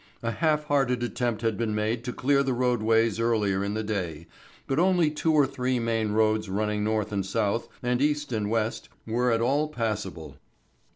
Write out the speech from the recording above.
A half hearted attempt had been made to clear the roadways earlier in the day, but only two or three main roads running north and south, and east and west were at all passable.